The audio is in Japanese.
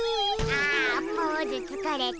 あポーズつかれた。